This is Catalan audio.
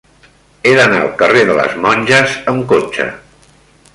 He d'anar al carrer de les Monges amb cotxe.